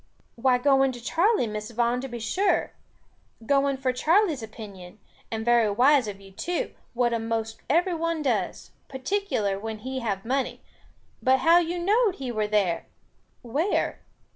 "Why going to Charley, Miss Vaughan, to be sure. Going for Charley's opinion. And very wise of you too; and what a most every one does; particular when he have money. But how you knowed he were there " "Where?"